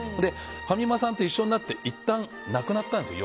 ファミマさんと一緒になっていったんなくなったんですよ